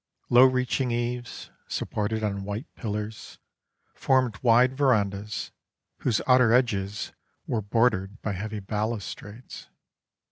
Low reaching eaves, supported on white pillars, formed wide verandahs, whose outer edges were bordered by heavy balustrades.